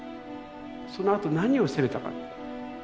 そのあと何を責めたかと。